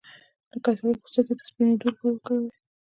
د کچالو پوستکی د سپینیدو لپاره وکاروئ